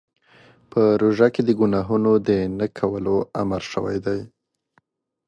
په روژه کې د ګناهونو د نه کولو امر شوی دی.